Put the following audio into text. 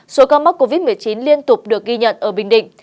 số ca mắc covid một mươi chín liên tục được ghi nhận ở bình định